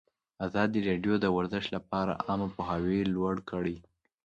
ازادي راډیو د ورزش لپاره عامه پوهاوي لوړ کړی.